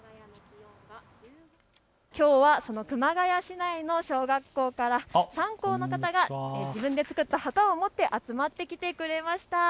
今日はその熊谷市内の小学校から３校の方が自分で作った旗を持って集まってきてくれました。